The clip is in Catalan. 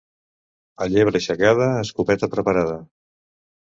A llebre aixecada, escopeta preparada.